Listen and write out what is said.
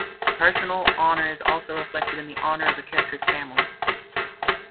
Personal honor is also reflected in the honor of a character's family.